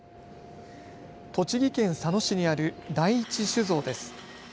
栃木県佐野市にある第一酒造です。